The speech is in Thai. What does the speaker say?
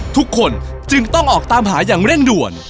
ทุกคนจึงต้องออกตามหาอย่างเร่งด่วน